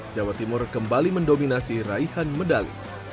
jawa timur kembali mendominasi raihan medali